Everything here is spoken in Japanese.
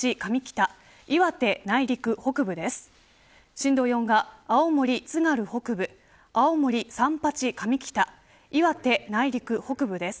震度４が青森、津軽北部青森・三八上北岩手内陸北部です。